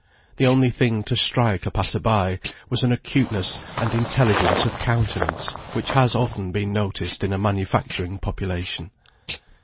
The only thing to strike a passer by was an acuteness and intelligence of countenance, which has often been noticed in a manufacturing population.